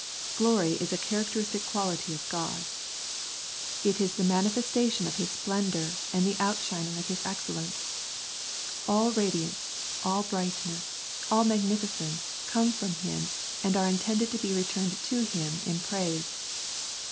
Glory is a characteristic quality of God. It is the 94 Wisdom and Revelation manifestation of His splendour and the out shining of His excellence. All radiance, all brightness, all magnificence come from Him and are intended to be returned to Him in praise.